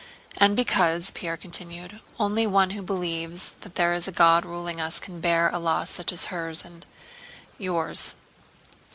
"And because," Pierre continued, "only one who believes that there is a God ruling us can bear a loss such as hers and... yours."